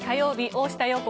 「大下容子